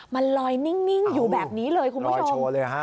มันลอยนิ่งอยู่แบบนี้เลยคุณผู้ชม